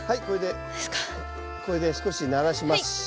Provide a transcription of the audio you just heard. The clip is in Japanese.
これで少しならします。